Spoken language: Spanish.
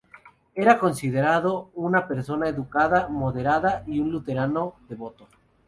Era considerado una persona educada, moderna, y un luterano devoto.